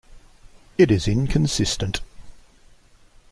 It is inconsistent.